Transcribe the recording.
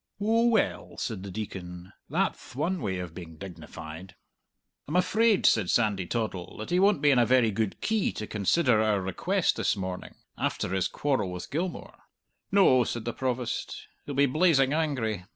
"Oh, well," said the Deacon, "that'th one way of being dignified." "I'm afraid," said Sandy Toddle, "that he won't be in a very good key to consider our request this morning, after his quarrel with Gilmour." "No," said the Provost; "he'll be blazing angry!